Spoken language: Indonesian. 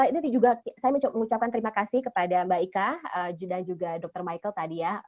ini juga saya mengucapkan terima kasih kepada mbak ika dan juga dr michael tadi ya